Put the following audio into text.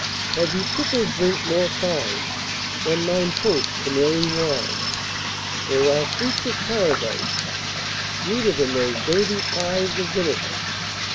Have ye tippled drink more fine Than mine host's Canary wine? Or are fruits of Paradise Sweeter than those dainty pies Of venison?